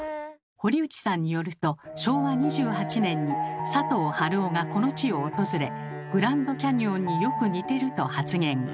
堀内さんによると昭和２８年に佐藤春夫がこの地を訪れ「グランドキャニオンによく似てる」と発言。